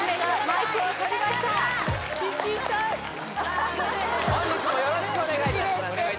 聴きたい本日もよろしくお願いいたします